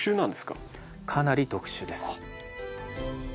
かなり特殊です。